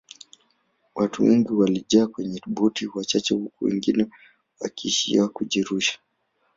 watu wengi walijaa kwenye boti chache huku wengine wakiishia kujirusha